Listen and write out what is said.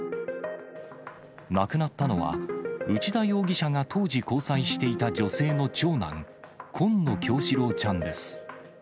亡くなったのは、内田容疑者が当時、交際していた女性の長男、紺野叶志郎ちゃんです。